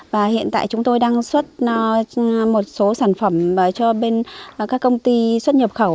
và hiện tại chúng tôi đang xuất một số sản phẩm cho các công ty xuất nhập khẩu